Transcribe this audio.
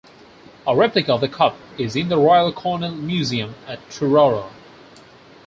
A replica of the cup is in the Royal Cornwall Museum at Truro.